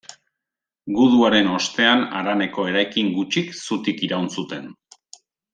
Guduaren ostean haraneko eraikin gutxik zutik iraun zuten.